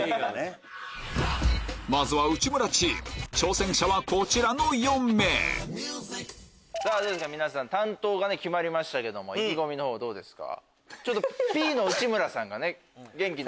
まずは内村チーム挑戦者はこちらの４名担当が決まりましたけども意気込みの方どうですか？